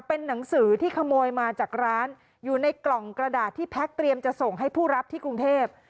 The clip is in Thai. เป็นหนังสือที่ขโมยมาจากร้านอยู่ในกล่องกระดาษที่แพ็คเตรียมจะส่งให้ผู้รับที่กรุงเทพ